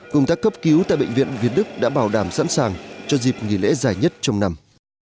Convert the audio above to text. công tác cấp cứu tại bệnh viện việt đức đã bảo đảm sẵn sàng cho dịp nghỉ lễ dài nhất trong năm